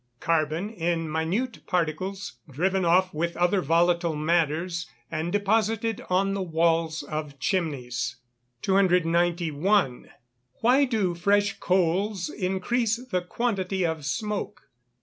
_ Carbon in minute particles, driven off with other volatile matters and deposited on the walls of chimneys. 291. _Why do fresh coals increase the quantity of smoke?